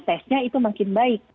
tesnya itu makin baik